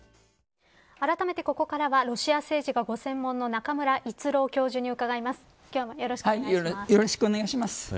あらためてここからはロシア政治がご専門の中村逸郎教授に伺います。